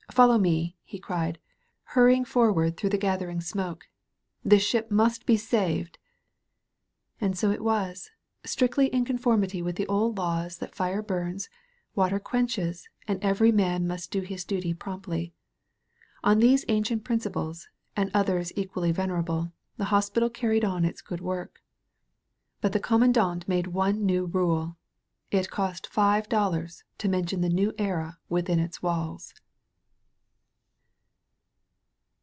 Follow me," he cried, hurrying forward through the gather ing smoke, '^this ship must be saved." And so it was — strictly in conformity with the old laws that fire burns, water quenches, and every man must do his duty promptly. On these ancient principles, and others equally venerable, the hos pital carried on its good work. But the Comman dant made one new rule. It cost five dollars to mention the New Era within its walls.